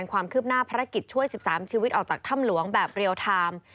ความคืบหน้าภารกิจช่วย๑๓ชีวิตออกจากถ้ำหลวงแบบเรียลไทม์